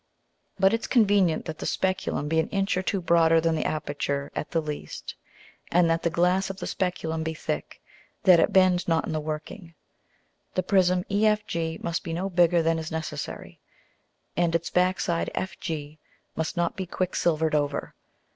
But it's convenient that the Speculum be an Inch or two broader than the aperture at the least, and that the Glass of the Speculum be thick, that it bend not in the working. The Prism EFG must be no bigger than is necessary, and its back side FG must not be quick silver'd over.